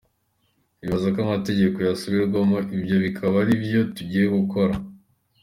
"Bibaza ko amategeko yosubirwamwo, ivyo bikaba arivyo tugiye gukora.